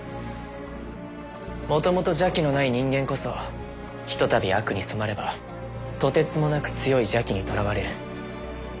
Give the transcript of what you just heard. もともと邪気のない人間こそひとたび悪に染まればとてつもなく強い邪気にとらわれる。